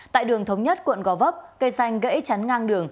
tại đường thống nhất quận gò vấp cây xanh gãy chắn ngang đường